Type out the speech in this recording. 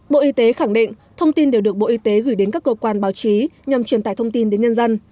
bộ y tế khẳng định thông tin đều được bộ y tế gửi đến các cơ quan báo chí nhằm truyền tải thông tin đến nhân dân